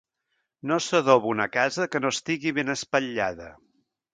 No s'adoba una casa que no estigui ben espatllada.